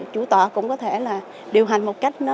chủ tòa cũng có thể là điều hành một cách